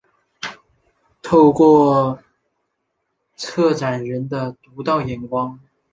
透过策展人的独到眼光